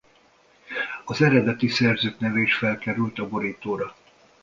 Az eredeti szerzők neve is felkerült a borítóra.